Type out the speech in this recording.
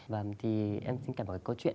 và thì em xin cảm nhận một câu chuyện